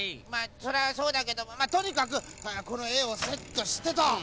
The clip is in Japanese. それはそうだけどもまあとにかくこのえをセットしてと。